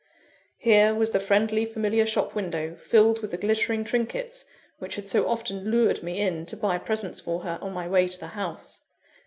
Here was the friendly, familiar shop window, filled with the glittering trinkets which had so often lured me in to buy presents for her, on my way to the house.